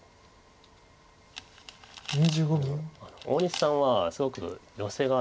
大西さんはすごくヨセが。